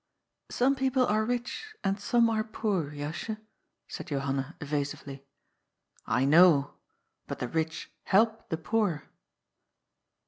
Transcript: ^^ Some people are rich and some are poor, Jasje," said Johanna evasively. " I know. But the rich help the poor."